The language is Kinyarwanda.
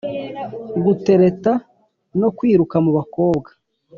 gutereta no kwiruka mu bakobwa.